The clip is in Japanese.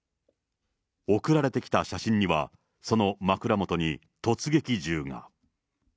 送られてきた写真には、その枕元に突撃銃が。